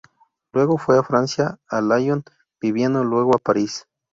Luego fue a Francia a Lyon, viviendo luego a París.